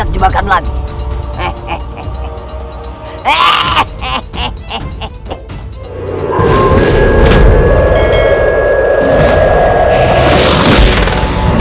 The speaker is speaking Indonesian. aku akan menemukanmu